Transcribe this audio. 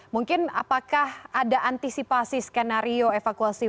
mungkin apakah ada antisipasi skenario evakuasi